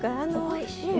おいしい。